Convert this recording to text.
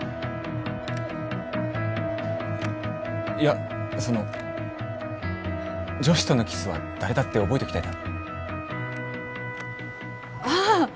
いやその女子とのキスは誰だって覚えておきたいだろああ